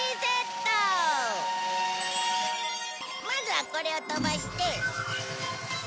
まずはこれを飛ばして。